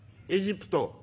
「エジプト。